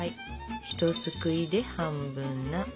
ひとすくいで半分な感じ。